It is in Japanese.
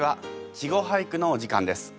「稚語俳句」のお時間です。